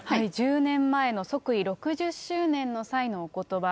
１０年前の即位６０周年の際のおことば。